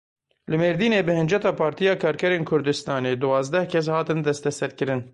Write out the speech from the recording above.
Li Mêrdînê bi hinceta Partiya Karkerên Kurdistanê duwazdeh kes hatin desteserkirin.